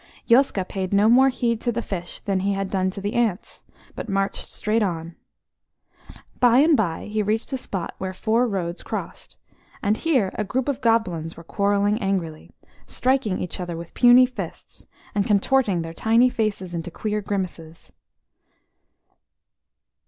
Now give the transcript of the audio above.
Yoska paid no more heed to the fish than he had done to the ants, but marched straight on. By and by he reached a spot where four roads crossed, and here a group of goblins were quarrelling angrily, striking each other with puny fists, and contorting their tiny faces into queer grimaces.